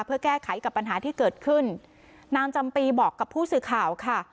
เพื่อแก้ไขกับปัญหาที่เกิดขึ้นนางจำปีบอกกับผู้สื่อข่าวค่ะ